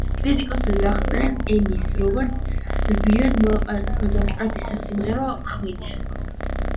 კრიტიკოსები აღწერენ ემის როგორც რბილად მოლაპარაკეს, მაგრამ სწრაფი სასიმღერო ხმით.